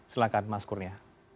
silahkan mas kurnia